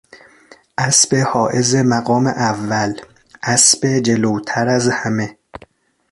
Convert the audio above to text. اسب حائز مقام اول، اسب جلوتر از همه